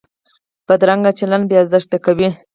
بدرنګه چلند بې ارزښته کوي